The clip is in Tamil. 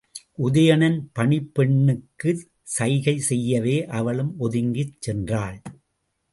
உதயணன் பணிப் பெண்ணுக்குச் சைகை செய்யவே அவளும் ஒதுங்கிச் சென்றாள்.